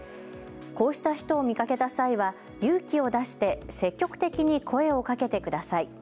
こうした人を見かけた際は勇気を出して積極的に声をかけてください。